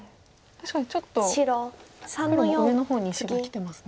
確かにちょっと黒も上の方に石がきてますね。